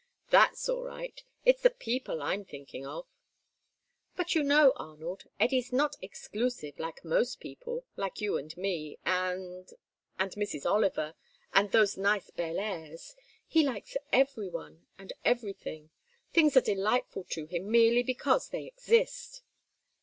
"That's all right. It's the people I'm thinking of." "But you know, Arnold, Eddy's not exclusive like most people, like you and me, and and Mrs. Oliver, and those nice Bellairs'. He likes everyone and everything. Things are delightful to him merely because they exist."